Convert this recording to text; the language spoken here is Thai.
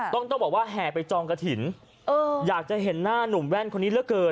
ต้องแบบว่าแหตนไปจองกระถิ๋นอยากจะเห็นหน้านุ่มแว่นคนนี้เรื่องเกิน